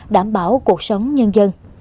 đảm bảo cuộc sống nhân dân